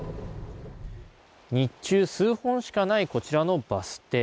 日中、数本しかないこちらのバス停。